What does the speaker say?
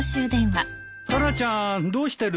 タラちゃんどうしてる？